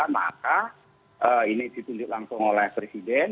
maka ini ditunjuk langsung oleh presiden